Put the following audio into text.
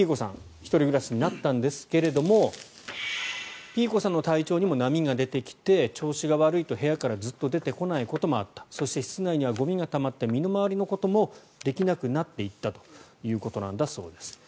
１人暮らしになったんですがピーコさんの体調にも波が出てきて調子が悪いと部屋からずっと出てこないこともあったそして、室内にはゴミがたまって身の回りのこともできなくなっていったということなんだそうです。